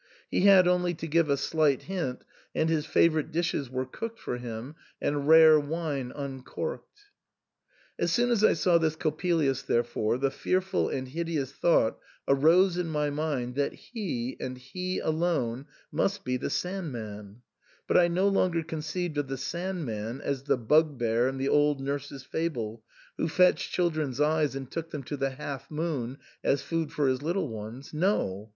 He had only to give a slight hint, and his favourite dishes were cooked for him and rare wine uncorked. As soon as I saw this Coppelius, therefore, the fear ful and hideous thought arose in my mind that he, and he alone, must be the Sand man ; but I no longer conceived of the Sand man as the bugbear in the old nurse's fable, who fetched children's eyes and took them to the half moon as food for his little ones — no